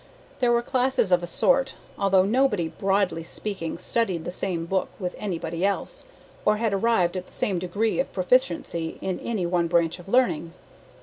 There were classes of a sort, although nobody, broadly speaking, studied the same book with anybody else, or had arrived at the same degree of proficiency in any one branch of learning.